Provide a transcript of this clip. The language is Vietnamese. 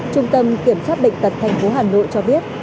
trung tâm kiểm soát bệnh tật thành phố hà nội cho biết